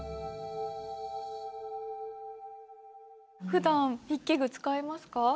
ふだん筆記具使いますか？